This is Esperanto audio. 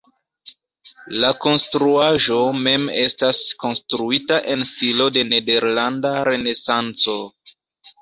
La konstruaĵo mem estas konstruita en stilo de nederlanda renesanco.